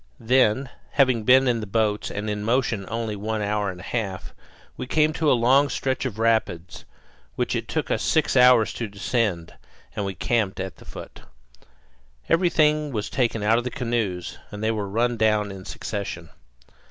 Then, having been in the boats and in motion only one hour and a half, we came to a long stretch of rapids which it took us six hours to descend, and we camped at the foot. Everything was taken out of the canoes, and they were run down in succession.